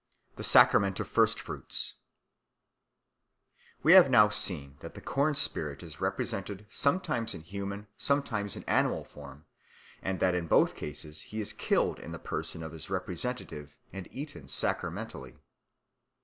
The Sacrament of First Fruits WE have now seen that the corn spirit is represented sometimes in human, sometimes in animal form, and that in both cases he is killed in the person of his representative and eaten sacramentally.